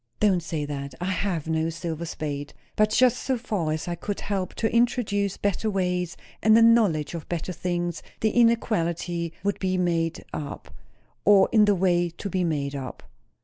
"Don't say that! I have no silver spade. But just so far as I could help to introduce better ways and a knowledge of better things, the inequality would be made up or on the way to be made up."